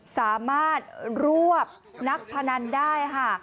สามารถรวบนักพนันได้ค่ะ